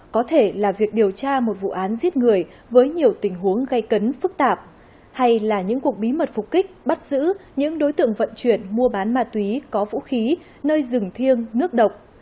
có thể là việc điều tra một vụ án giết người với nhiều tình huống gây cấn phức tạp hay là những cuộc bí mật phục kích bắt giữ những đối tượng vận chuyển mua bán ma túy có vũ khí nơi rừng thiêng nước độc